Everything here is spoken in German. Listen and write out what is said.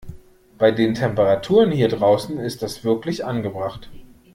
Bei den Temperaturen hier draußen ist das wirklich angebracht.